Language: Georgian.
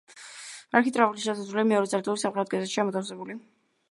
არქიტრავული შესასვლელი მეორე სართულის სამხრეთ კედელშია მოთავსებული.